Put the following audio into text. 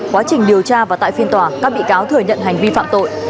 quá trình điều tra và tại phiên tòa các bị cáo thừa nhận hành vi phạm tội